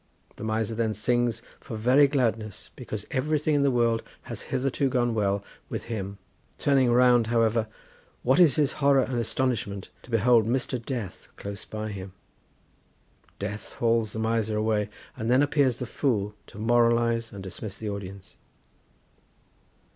The Miser then sings for very gladness, because everything in the world has hitherto gone well with him; turning round, however, what is his horror and astonishment to behold Mr. Death, close by him. Death hauls the Miser away, and then appears the Fool to moralise and dismiss the audience.